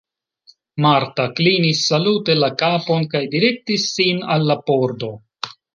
Marta klinis salute la kapon kaj direktis sin al la pordo.